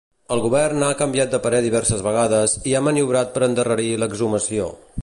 El govern ha canviat de parer diverses vegades i ha maniobrat per endarrerir l'exhumació.